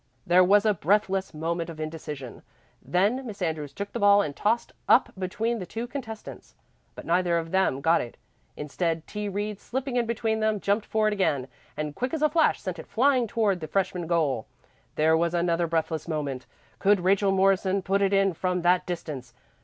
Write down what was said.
There was a breathless moment of indecision. Then Miss Andrews took the ball and tossed up between the two contestants. But neither of them got it. Instead, T. Reed, slipping in between them, jumped for it again, and quick as a flash sent it flying toward the freshman goal. There was another breathless moment. Could Rachel Morrison put it in from that distance?